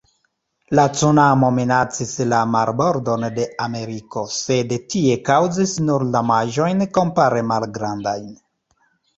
La cunamo minacis la marbordon de Ameriko, sed tie kaŭzis nur damaĝojn kompare malgrandajn.